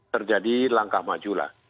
terjadi langkah maju lah